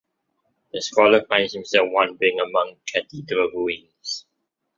The scholar finds himself wandering among cathedral ruins.